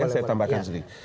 saya tambahkan sedikit